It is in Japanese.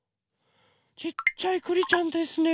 ちっちゃいくりちゃんですね。